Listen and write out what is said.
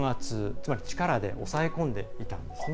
つまり力で抑え込んでいたんですね。